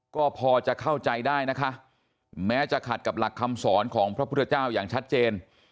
ก็พอจะเข้าใจได้นะคะแม้จะขัดกับหลักคำสอนของพระพุทธเจ้าอย่างชัดเจน